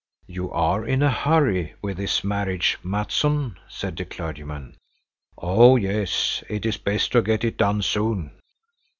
"You are in a hurry with this marriage, Mattsson," said the clergyman. "Oh yes, it is best to get it done soon."